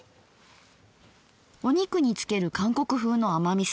お肉に付ける韓国風の甘みそ。